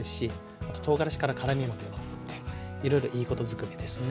あととうがらしから辛みも出ますんでいろいろいいことずくめですね。